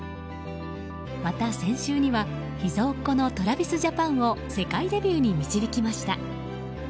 また、先週には秘蔵っ子のＴｒａｖｉｓＪａｐａｎを世界デビューに導きました。